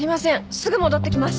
すぐ戻ってきます！